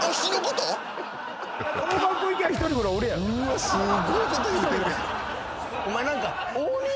うわすごいこと言うてる。